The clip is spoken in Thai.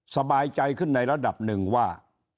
สบายใจขึ้นในระดับหนึ่งว่า